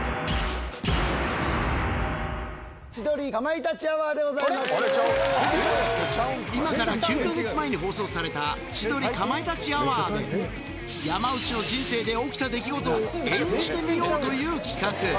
千鳥かまいたちアワーでござ今から９か月前に放送された、千鳥かまいたちアワーで、山内の人生で起きた出来事を演じてみようという企画。